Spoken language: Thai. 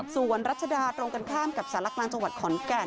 ส่วนรัชดาตรงกันข้ามกับสารกลางจังหวัดขอนแก่น